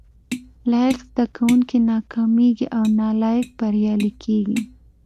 لايق زده کوونکي ناکامېږي او نالايق بريالي کېږي